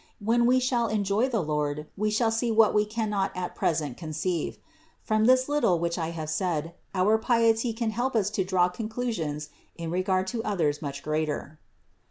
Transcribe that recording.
When we shall enjoy the Lord we shall see what we cannot at present conceive. From this little which I have said, our piety can help us to draw conclusions in regard to others much greater.